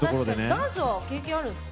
ダンスは経験あるんですか？